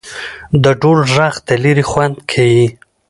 د ډول ږغ د ليري خوند کيي.